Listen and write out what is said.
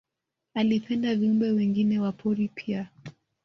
Alipenda viumbe wengine wa pori pia